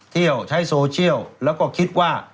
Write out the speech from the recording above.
ใช้โซเชียลแล้วก็คิดว่า